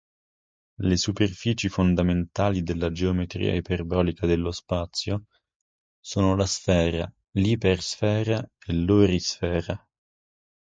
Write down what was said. Le superfici fondamentali della geometria iperbolica dello spazio sono la sfera, l'ipersfera e l'orisfera.